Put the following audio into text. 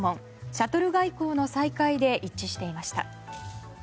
シャトル外交の再開で一致していました。